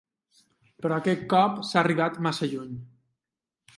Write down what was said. Però aquest cop s’ha arribat massa lluny.